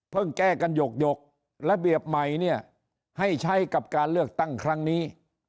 แก้กันหยกระเบียบใหม่เนี่ยให้ใช้กับการเลือกตั้งครั้งนี้